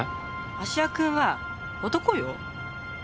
芦屋君は男よ。